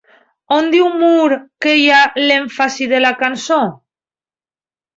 On diu Moore que hi ha l'èmfasi de la cançó?